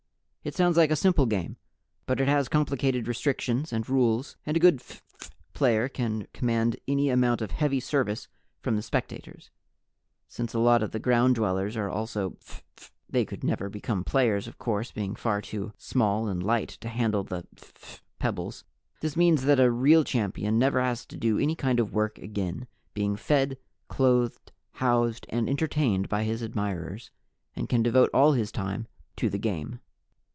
It sounds like a simple game, but it has complicated restrictions and rules, and a good phph player can command any amount of heavy service from the spectators. Since a lot of the Ground Dwellers are also phph addicts (they could never become players, of course, being far too small and light to handle the phph pebbles), this means that a real champion never has to do any kind of work again, being fed, clothed, housed and entertained by his admirers, and can devote all his time to the game.